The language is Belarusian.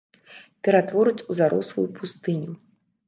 Ператвораць у зарослую пустыню.